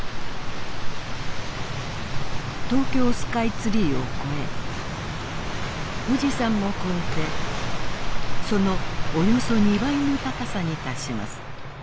東京スカイツリーを越え富士山も越えてそのおよそ２倍の高さに達します。